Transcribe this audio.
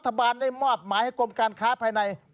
อธิบดีกรมการค้าภายใน